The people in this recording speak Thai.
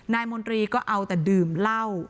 มนตรีก็เอาแต่ดื่มเหล้า